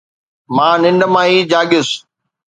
مان ننڊ مان ئي جاڳيس